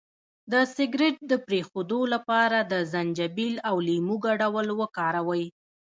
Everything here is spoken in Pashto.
د سګرټ د پرېښودو لپاره د زنجبیل او لیمو ګډول وکاروئ